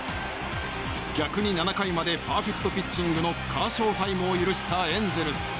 逆に７回までパーフェクトピッチングのカーショウタイムを許したエンゼルス。